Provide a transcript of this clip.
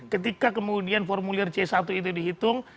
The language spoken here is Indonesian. ketika kemudian formulir c satu itu dihitung